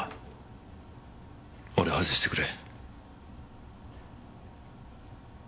俺を外してくれ。